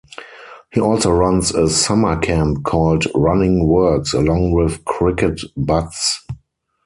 He also runs a summer camp called Running Works, along with Cricket Batz.